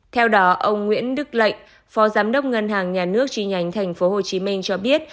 theo đó ông nguyễn đức lệnh phó giám đốc ngân hàng nhà nước chi nhánh tp hcm cho biết